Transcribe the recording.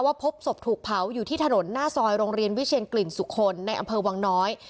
พบศพถูกเผาอยู่ที่ถนนหน้าซอยโรงเรียนวิเชียนกลิ่นสุคลในอำเภอวังน้อย